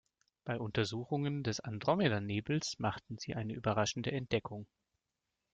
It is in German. Bei Untersuchungen des Andromeda-Nebels machten sie eine überraschende Entdeckung.